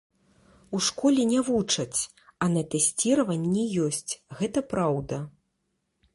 У школе не вучаць, а на тэсціраванні ёсць, гэта праўда.